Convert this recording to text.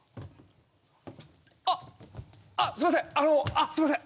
ああっすいませんあのすいませんえ。